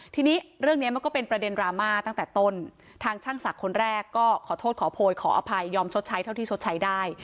ทีนี้เรื่องนี้มันก็เป็นประเด็นดราม่าตั้งแต่ต้นทางช่างศักดิ์คนแรกก็ขอโทษขอโพยขออภัยยอมชดใช้เท่าที่ชดใช้ได้